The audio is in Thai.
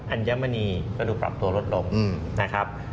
ัญมณีก็ดูปรับตัวลดลงนะครับ